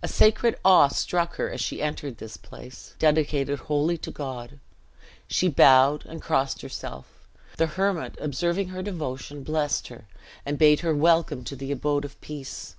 A sacred awe struck her as she entered this place, dedicated wholly to God. She bowed, and crossed herself. The hermit, observing her devotion, blessed her, and bade her welcome to the abode of peace.